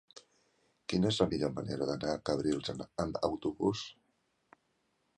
Quina és la millor manera d'anar a Cabrils amb autobús?